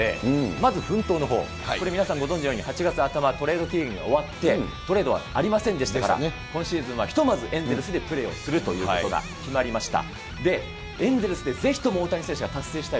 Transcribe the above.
まず奮闘のほう、これ、皆さんご存じのように、８月頭、トレードが終わって、トレードはありませんでしたから、今シーズンはひとまず、エンゼルスでプレーをするということが決まりました。